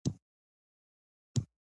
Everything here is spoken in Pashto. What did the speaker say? فقره د لوست اسانتیا زیاتوي.